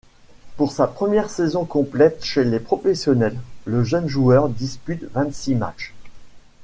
Pour sa première saison complète chez les professionnels, le jeune joueur dispute vingt-six matchs.